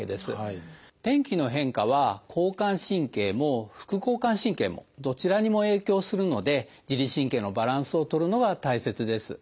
天気の変化は交感神経も副交感神経もどちらにも影響するので自律神経のバランスを取るのが大切です。